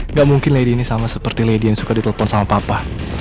nggak mungkin lady ini sama seperti lady yang suka ditelepon sama papa